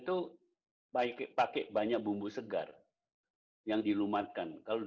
tapi kentalnya ya mungkin ada pakai tepung